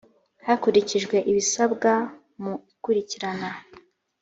hakurikijwe ibisabwa mu ikurikirana